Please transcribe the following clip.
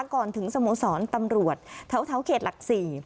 ก่อนถึงสโมสรตำรวจแถวเขตหลัก๔